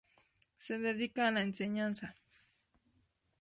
Se dedica a la enseñanza.